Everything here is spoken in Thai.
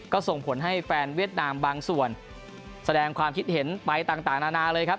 ก็ส่งผลให้แฟนเวียดนามบางส่วนแสดงความคิดเห็นไปต่างนานาเลยครับ